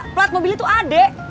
plat mobilnya tuh ade